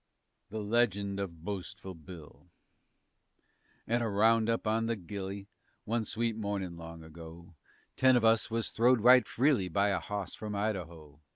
_"] THE LEGEND OF BOASTFUL BILL At a roundup on the Gily, One sweet mornin' long ago, Ten of us was throwed right freely By a hawse from Idaho.